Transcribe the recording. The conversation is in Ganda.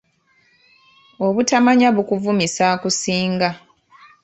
Obutamanya bukuvumisa akusinga.